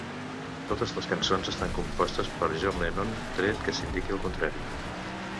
Totes les cançons estan compostes per John Lennon, tret que s'indiqui el contrari.